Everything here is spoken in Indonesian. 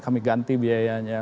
kami ganti biayanya